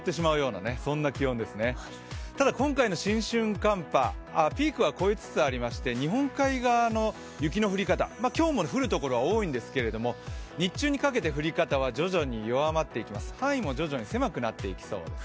今回の新春寒波、ピークは超えつつありまして、日本海側の雪の降り方、今日も降る所は多いんですが日中に欠けて降り方は徐々に弱まっていきます、範囲も徐々に狭くなっていきそうです。